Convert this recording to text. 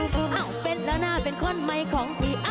เป็นแล้วหน้าเป็นคนใหม่ของพี่